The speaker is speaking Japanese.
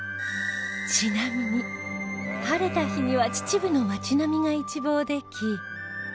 ちなみに晴れた日には秩父の街並みが一望でき